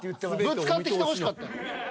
ぶつかってきてほしかった。